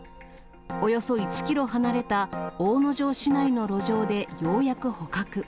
およそ１キロ離れた大野城市内の路上でようやく捕獲。